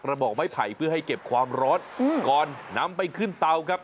บอกไม้ไผ่เพื่อให้เก็บความร้อนก่อนนำไปขึ้นเตาครับ